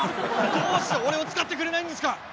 どうして俺を使ってくれないんですか！？